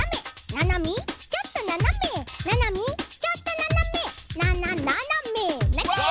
ななみちょっとななめ」「ななみちょっとななめななななめ」なんちゃって！